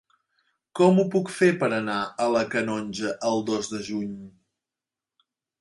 Com ho puc fer per anar a la Canonja el dos de juny?